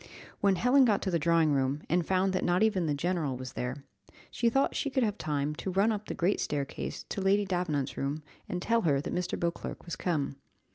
When Helen got to the drawing room, and found that not even the general was there, she thought she could have time to run up the great staircase to Lady Davenant's room, and tell her that Mr. Beauclerc was come.